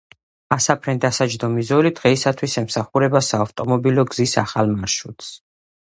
ასაფრენ-დასაჯდომი ზოლი დღეისათვის ემსახურება საავტომობილო გზის ახალ მარშრუტს.